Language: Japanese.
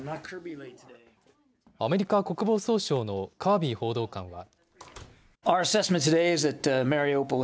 アメリカ国防総省のカービー報道官は。